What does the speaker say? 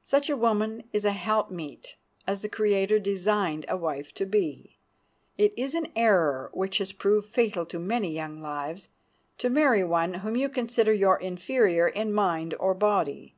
Such a woman is a helpmeet as the Creator designed a wife to be. It is an error, which has proved fatal to many young lives, to marry one whom you consider your inferior in mind or body.